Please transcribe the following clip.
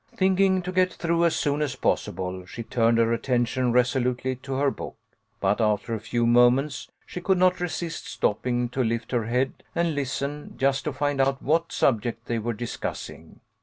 Thinking to get through as soon as possible, she turned her attention resolutely to her book, but, after a few moments, she could not resist stopping to lift her head and listen, just to find out what sub ject they were discussing.